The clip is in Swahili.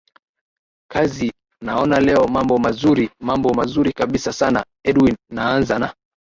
kazi naona leo mambo mazuri mambo mazuri karibu sana edwin naanza na